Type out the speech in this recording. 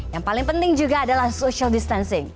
yang paling penting juga adalah social distancing